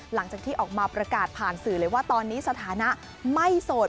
หลังจากที่ออกมาประกาศผ่านสื่อเลยว่าตอนนี้สถานะไม่โสด